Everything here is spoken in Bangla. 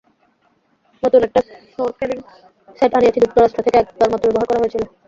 নতুন একটা স্নোরকেলিং সেট আনিয়েছি যুক্তরাষ্ট্র থেকে, একবার মাত্র ব্যবহার করা হয়েছিল।